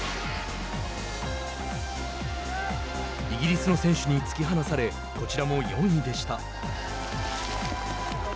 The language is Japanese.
イギリスの選手に突き放されこちらも４位でした。